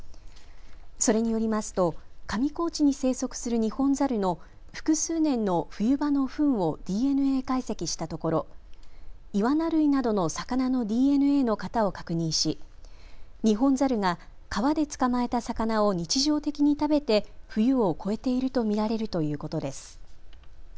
それによりますと上高地に生息するニホンザルの複数年の冬場のふんをＤＮＡ解析したところイワナ類などの魚のＤＮＡの型を確認しニホンザルが川で捕まえた魚を日常的に食べて冬を越えていると見られるということです。